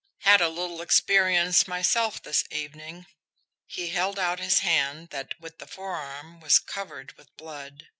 "Had a little experience myself this evening." He held out his hand that, with the forearm, was covered with blood.